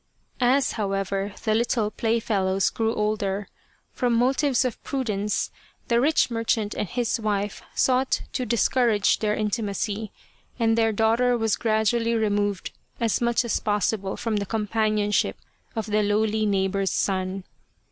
As, however, the little playfellows grew older, from 223 Kinu Returns from the Grave motives of prudence, the rich merchant and his wife sought to discourage their intimacy, and their daughter was gradually removed as much as possible from the companionship of the lowly neighbour's son.